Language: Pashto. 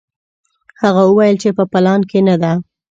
هغه وویل چې په پلان کې نه ده.